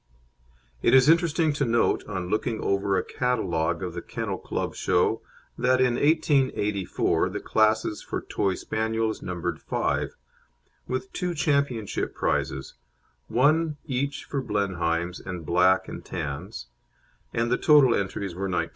It is interesting to note, on looking over a catalogue of the Kennel Club Show, that in 1884 the classes for Toy Spaniels numbered five, with two championship prizes, one each for Blenheims and Black and Tans, and the total entries were 19.